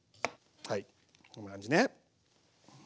はいこんな感じね。